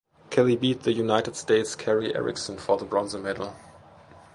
Kelley beat the United States' Kari Erickson for the bronze medal.